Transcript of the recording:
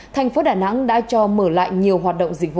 thành phố đà nẵng đã cho mở lại nhiều hoạt động dịch vụ